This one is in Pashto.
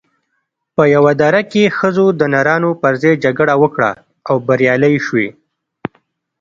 په یوه دره کې ښځو د نرانو پر ځای جګړه وکړه او بریالۍ شوې